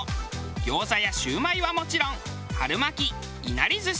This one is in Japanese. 餃子や焼売はもちろん春巻きいなり寿司